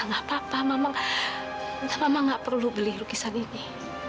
nggak apa apa mama nggak perlu beli lukisan ini